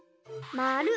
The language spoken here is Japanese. まる。